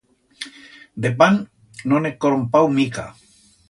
De pan, no'n he crompau mica.